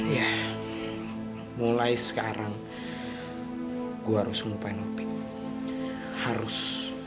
ya mulai sekarang gua harus ngupain opik harus